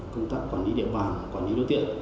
công tác quản lý địa bàn quản lý đối tượng